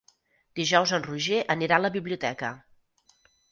Dijous en Roger anirà a la biblioteca.